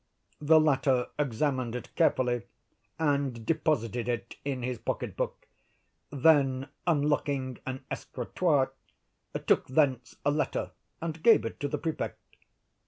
The latter examined it carefully and deposited it in his pocket book; then, unlocking an escritoire, took thence a letter and gave it to the Prefect.